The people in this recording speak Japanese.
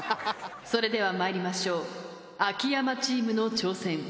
それではまいりましょう秋山チームの挑戦。